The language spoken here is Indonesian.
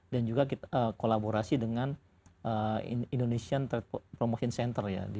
dan juga kita kolaborasi dengan indonesian trade promotion center ya